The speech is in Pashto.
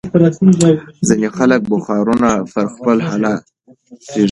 ځینې خلک بخارونه پر خپل حال پرېږدي.